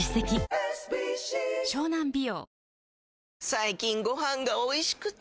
最近ご飯がおいしくて！